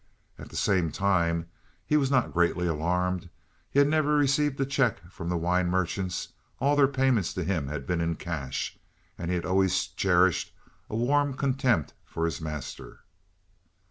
At the same time, he was not greatly alarmed; he had never received a cheque from the wine merchants; all their payments to him had been in cash, and he had always cherished a warm contempt for his master.